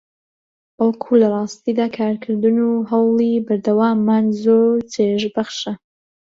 بەڵکو لەڕاستیدا کارکردن و هەوڵی بەردەواممان زۆر چێژبەخشە